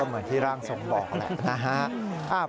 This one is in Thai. เหมือนที่รังสงศ์บอกแหละนะฮะ